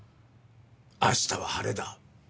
明日は晴れだ。